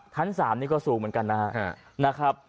ชั้น๓นี่ก็สูงเหมือนกันนะครับ